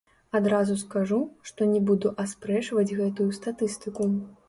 Адразу скажу, што не буду аспрэчваць гэтую статыстыку.